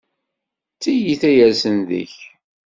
A tiyita yersen deg-k!